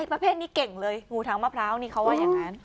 ประเภทนี้เก่งเลยงูทางมะพร้าวนี่เขาว่าอย่างนั้น